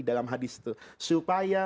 dalam hadis itu supaya